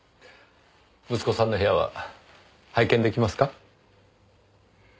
息子さんの部屋は拝見出来ますか？